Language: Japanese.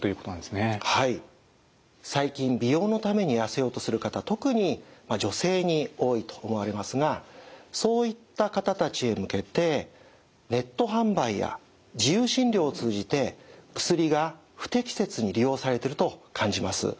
はい最近美容のためにやせようとする方特に女性に多いと思われますがそういった方たちへ向けてネット販売や自由診療を通じて薬が不適切に利用されてると感じます。